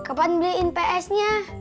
kapan beliin ps nya